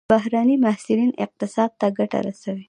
بهرني محصلین اقتصاد ته ګټه رسوي.